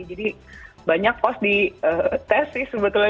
jadi banyak pos di test sih sebetulnya